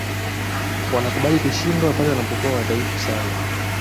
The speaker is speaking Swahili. wanakubali kushindwa pale wanapokuwa wadhaifu sana